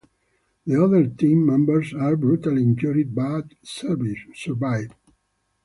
The other team members are brutally injured but survive.